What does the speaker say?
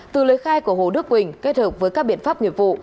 từ lời khai của hồ đức quỳnh kết hợp với các biện pháp nghiệp vụ